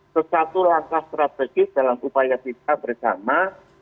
sesuatu langkah strategis dalam upaya kita bersama